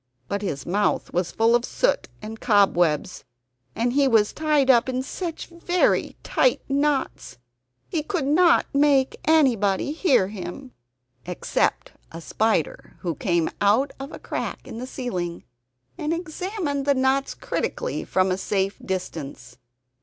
But his mouth was full of soot and cobwebs, and he was tied up in such very tight knots, he could not make anybody hear him. Except a spider who came out of a crack in the ceiling and examined the knots critically, from a safe distance.